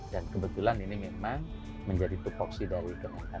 dan kebetulan ini memang menjadi topoksi dari kenangan rakyat